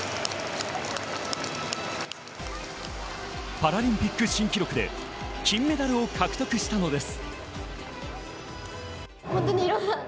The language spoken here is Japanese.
パラリンピック新記録で金メダルを獲得したのです。